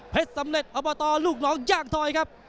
สำเร็จอบตลูกน้องย่างทอยครับ